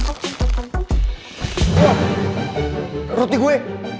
perut nih gue